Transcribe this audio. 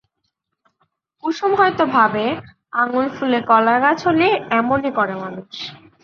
কুসুম হয়তো ভাবে, আঙুল ফুলে কলাগাছ হলে এমনই করে মানুষ!